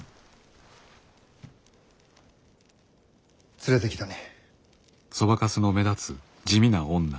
連れてきたに。